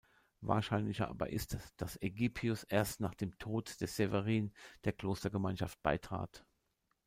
Wahrscheinlicher aber ist, dass Eugippius erst nach dem Tod des Severin der Klostergemeinschaft beitrat.